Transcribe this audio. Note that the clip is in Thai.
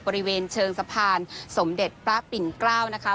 บริเวณเชิงสะพานสมเด็จพระปิ่นเกล้านะคะ